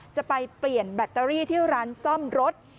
จะไปเปลี่ยนแบตเตอรี่ที่ร้านซ่อมรถ